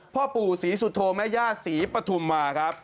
พ่อปู่สีสุโธมะย่าสีปฐุมมาครับ